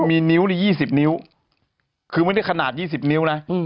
มีนิ้วใน๒๐นิ้วคือไม่ได้ขนาด๒๐นิ้วนะ